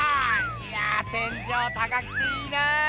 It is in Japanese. いや天じょう高くていいなあ！